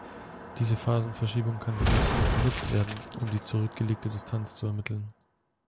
Diese Phasenverschiebung kann gemessen und benutzt werden, um die zurückgelegte Distanz zu ermitteln.